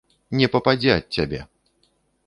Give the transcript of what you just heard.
Не пападзе ад цябе!